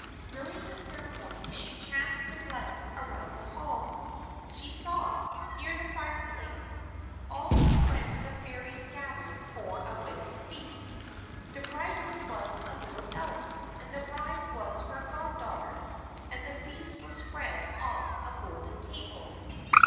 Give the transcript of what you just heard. During the ceremony she chanced to glance around the hall. She saw, near the fireplace, all her friends the Fairies gathered for a wedding feast. The bridegroom was a little Elf, and the bride was her goddaughter, and the feast was spread on a golden table.